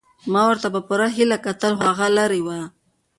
ما ورته په پوره هیله کتل خو هغه لیرې وه.